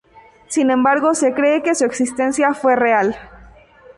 Sin embargo se cree que su existencia fue real.